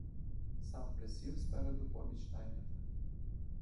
Сам присів спереду побіч наймита.